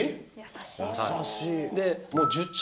優しい。